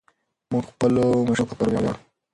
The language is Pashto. موږ د خپلو مشرانو په افکارو ویاړو.